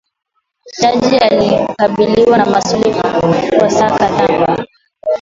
Jaji alikabiliwa na maswali kwa saa kadhaa